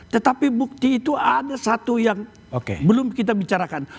tetapi bukti itu ada satu yang belum kita bicarakan